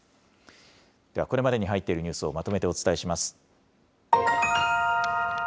では、これまでに入っているニュースをまとめてお伝えします。